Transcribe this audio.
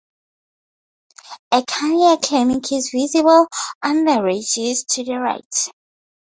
A cardiac clinic is visible on the ridges to the right.